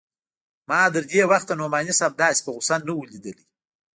ما تر دې وخته نعماني صاحب داسې په غوسه نه و ليدلى.